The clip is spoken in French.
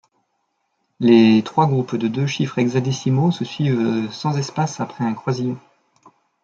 Les trois groupes de deux chiffres hexadécimaux se suivent sans espace après un croisillon.